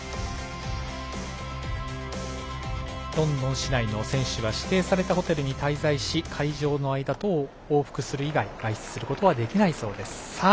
ロンドン市内の選手は指定されたホテルに滞在し会場の間とを往復する以外外出することはできないそうです。